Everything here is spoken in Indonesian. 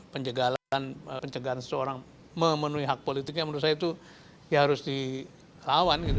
penjagalan pencegahan seseorang memenuhi hak politiknya menurut saya itu ya harus dilawan gitu